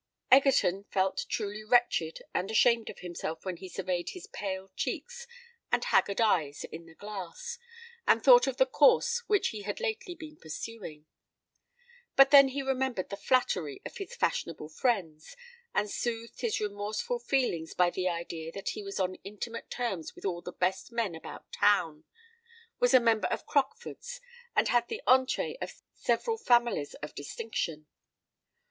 Egerton felt truly wretched and ashamed of himself when he surveyed his pale cheeks and haggard eyes in the glass, and thought of the course which he had lately been pursuing. But then he remembered the flattery of his fashionable friends, and soothed his remorseful feelings by the idea that he was on intimate terms with all the "best men about town," was a member of Crockford's, and had the entrée of several families of distinction.